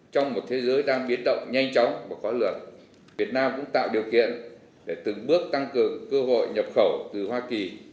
trong một thế giới đang biến động nhanh chóng và khó lường việt nam cũng tạo điều kiện để từng bước tăng cường cơ hội nhập khẩu từ hoa kỳ